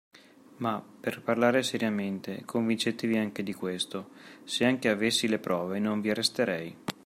Ma, per parlare seriamente, convincetevi anche di questo: se anche avessi le prove, non vi arresterei.